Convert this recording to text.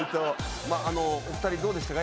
お二人どうでしたか？